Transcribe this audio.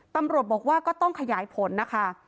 ตำรวจบอกว่าก็ต้องขยายผลนะคะ